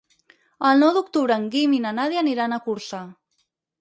El nou d'octubre en Guim i na Nàdia aniran a Corçà.